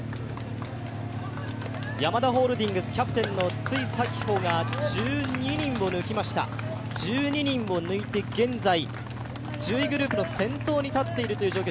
ヤマダホールディングス、キャプテンの筒井咲帆が１２人を抜いて現在、１０位グループの先頭に立っています。